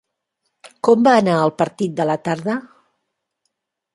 Com va anar el partit de la tarda?